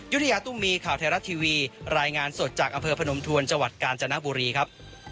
ยุธยาตุ้มมีข่าวไทยรัฐทีวีรายงานสดจากอำเภอพนมทวนจังหวัดกาญจนบุรีครับ